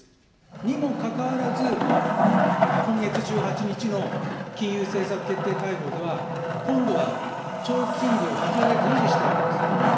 にもかかわらず、今月１８日の金融政策決定会合では、今度は長期金利を引き上げず維持したわけです。